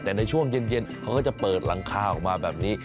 แต่ในช่วงเย็นเขาก็จะเปิดหลังคาออกมาแบบนี้